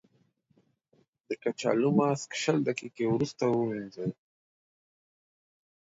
د کچالو ماسک شل دقیقې وروسته ووينځئ.